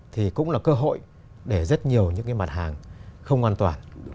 thì cũng là cơ hội để rất nhiều những cái mặt hàng không an toàn